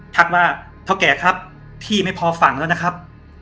ทักว่าเท่าแก่ครับพี่ไม่พอฝั่งแล้วนะครับ